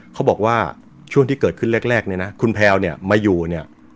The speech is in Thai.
เขาบอกว่าช่วงที่เกิดขึ้นแรกเนี่ยนะคุณแพลวเนี่ยมาอยู่เนี่ย